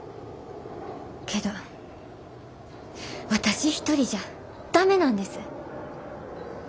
けど私一人じゃ駄目なんです。